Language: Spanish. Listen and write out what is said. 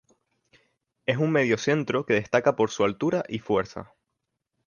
Es un mediocentro que destaca por su altura y fuerza.